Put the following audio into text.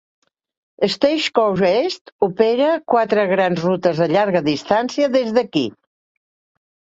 Stagecoach East opera quatre grans rutes de llarga distància des d'aquí.